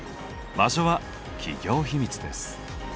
場所は企業秘密です。